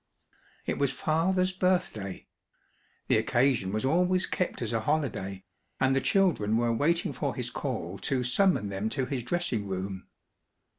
It was Father's birthday. The occasion was always kept as a holiday, and the children were waiting for his call to summon them to his dressing room.